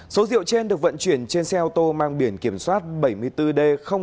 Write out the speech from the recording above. số rượu trên được vận chuyển trên xe ô tô mang biển kiểm soát bảy mươi bốn d một trăm bảy mươi ba